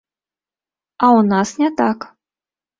А ў нас не так.